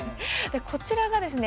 こちらがですね